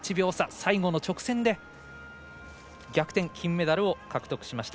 最後の直線で逆転、金メダルを獲得しました。